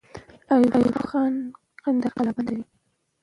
ایوب خان کندهار قلابندوي.